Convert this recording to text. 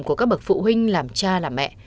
của các bậc phụ huynh làm cha làm mẹ